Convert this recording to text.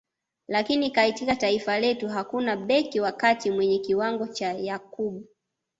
Lakini katika taifa letu hakuna beki wa kati mwenye kiwango cha Yakub